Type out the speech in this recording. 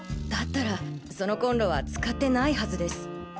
だったらそのコンロは使ってないはずです。